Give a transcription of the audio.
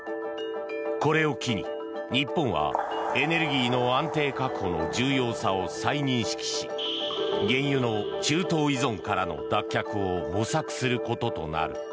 これを機に日本はエネルギーの安定確保の重要さを再認識し原油の中東依存からの脱却を模索することとなる。